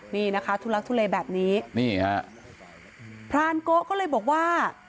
นี่นะคะทุลักษณ์ทุเลแบบนี้พระอาร์โก๊ะก็เลยบอกว่า